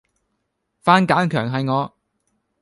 番梘強係我